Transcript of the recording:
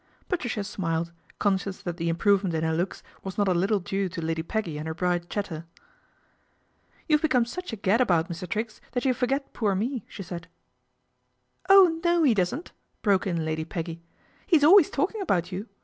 Patricia smiled, conscious that the improve lent in her looks was not a little due to Lady 'eggy and her bright chatter. ' You've become such a gad about, Mr. Triggs, hat you forget poor me," she said. " Oh no, he doesn't !" broke in Lady Peggy, : he's always talking about you.